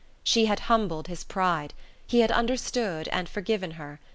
She had humbled his pride; he had understood, and forgiven her.